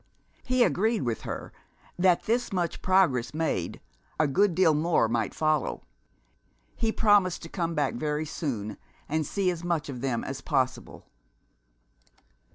He agreed with her that, this much progress made, a good deal more might follow. He promised to come back very soon, and see as much of them as possible.